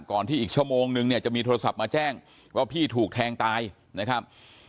ที่อีกชั่วโมงนึงเนี่ยจะมีโทรศัพท์มาแจ้งว่าพี่ถูกแทงตายนะครับ